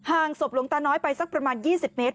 ศพหลวงตาน้อยไปสักประมาณ๒๐เมตร